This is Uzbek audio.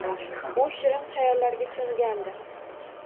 U shirin hayollarga cho`mgandi